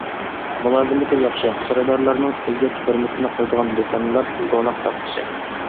مۇلازىمىتى ياخشى، خېرىدارلارنىڭ ئىززەت-ھۆرمىتىنى قىلىدىغان دۇكانلار روناق تاپقۇسى.